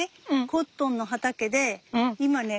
コットンの畑で今ね